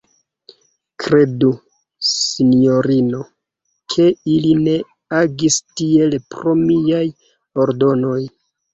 Kredu, sinjorino, ke ili ne agis tiel pro miaj ordonoj.